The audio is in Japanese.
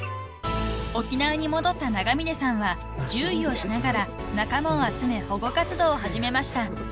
［沖縄に戻った長嶺さんは獣医をしながら仲間を集め保護活動を始めました］